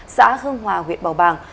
xã hương hòa huyện bảo bàng